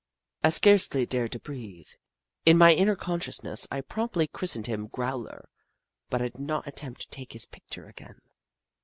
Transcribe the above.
I scarcely dared to breathe. In my in ner consciousness I promptly christened him " Growler," but I did not attempt to take his picture again.